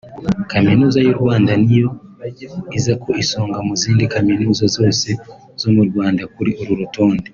Kaminuza y’u Rwanda niyo iza ku isonga mu zindi kaminuza zose zo mu Rwanda kuri uru rutonde